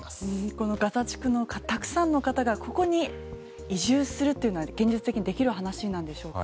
このガザ地区たくさんの方がここに移住するっていうのは現実的できる話なんでしょうか？